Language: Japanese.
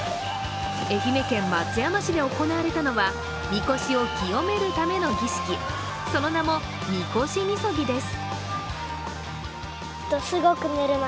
愛媛県松山市で行われたのは、みこしを清めるための儀式その名も、みこしみそぎです。